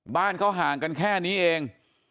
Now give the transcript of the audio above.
บ้านเขาห่างกันแค่นี้เอง